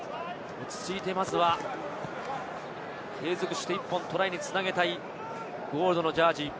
落ち着いて、まずは継続して１本に繋げたい、ゴールドのジャージー。